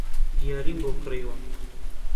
دیاریم بۆ کڕیوە